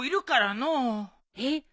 えっ？